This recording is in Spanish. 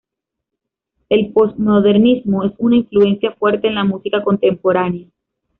El posmodernismo es una influencia fuerte en la música contemporánea.